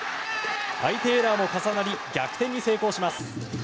相手エラーも重なり逆転に成功します。